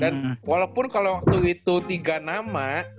dan walaupun kalo waktu itu tiga nama